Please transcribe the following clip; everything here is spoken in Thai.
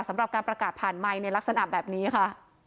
สำหรับการประกาศผ่านไมค์ในลักษณะแบบนี้ค่ะ